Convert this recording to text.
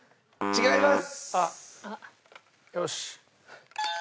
違います。